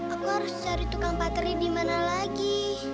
aku harus cari tukang pateri dimana lagi